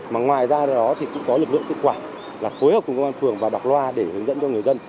mà ngoài ra đó thì cũng có lực lượng tự quả là phối hợp cùng công an phường và đọc loa để hướng dẫn cho người dân